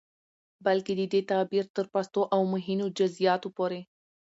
بلکې د دې تعبير تر پستو او مهينو جزيىاتو پورې